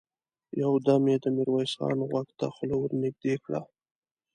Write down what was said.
يودم يې د ميرويس خان غوږ ته خوله ور نږدې کړه!